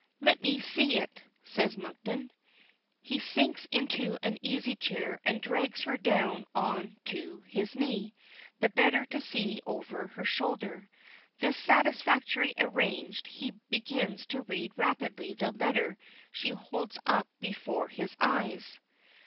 "Let me see it," says Monkton. He sinks into an easy chair, and drags her down on to his knee, the better to see over her shoulder. Thus satisfactorily arranged, he begins to read rapidly the letter she holds up before his eyes.